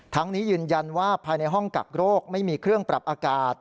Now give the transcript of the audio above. ทั้งนี้ยืนยันว่าภายในห้องกักโรคไม่มีเครื่องปรับอากาศ